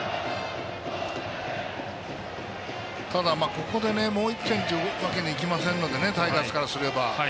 ここで、もう１点というわけにはいきませんのでタイガースからすれば。